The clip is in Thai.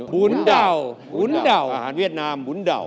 อ๋อบุนดาวอาหารเวียดนามบุนดาว